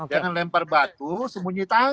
jangan lempar batu sembunyi tangan